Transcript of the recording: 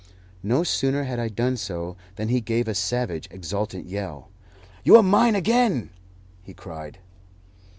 No sooner had I done so than he gave a savage, exultant yell. "You are mine again!" he cried.